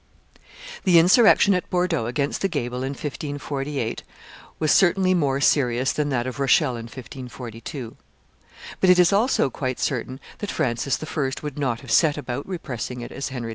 The insurrection at Bordeaux against the gabel in 1548 was certainly more serious than that of Rochelle in 1542; but it is also quite certain that Francis I. would not have set about repressing it as Henry II.